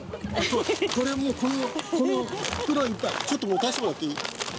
これも、この袋いっぱい、ちょっと持たしてもらっていい？